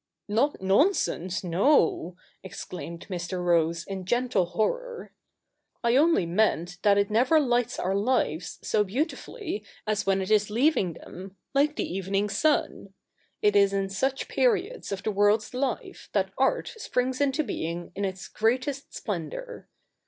' Not nonsense — no,' exclaimed Mr. Rose in gentle horror ;' I only mean that it never lights our lives so beautifully as when it is leaving them like the evening sun. It is in such periods of the world's life that art springs into being in its greatest splendour.